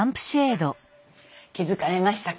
気付かれましたか？